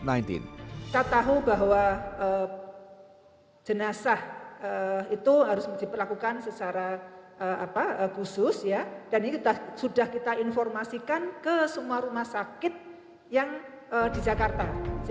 kita tahu bahwa jenazah itu harus diperlakukan secara khusus dan ini sudah kita informasikan ke semua rumah sakit yang di jakarta